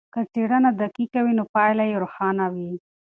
که څېړنه دقیقه وي نو پایله یې روښانه وي.